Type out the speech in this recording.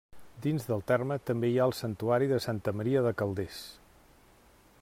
Dins el terme també hi ha el santuari de Santa Maria de Calders.